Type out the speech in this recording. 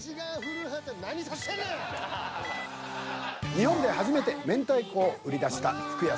日本で初めて明太子を売り出した「ふくや」